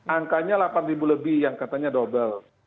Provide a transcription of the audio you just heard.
angkanya delapan ribu lebih yang katanya double